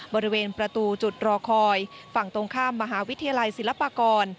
บริเวณประตูจุดรอคอยฝั่งตรงข้ามมหาวิทยาลัยศิลปากร